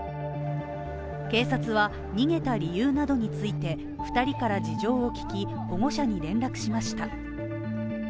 警察は逃げた理由などについて、２人から事情を聞き、保護者に連絡しました。